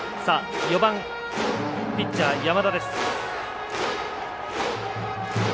４番、ピッチャー山田です。